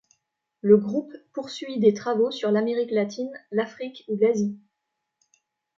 Le groupe poursuit des travaux sur l’Amérique latine, l’Afrique ou l'Asie.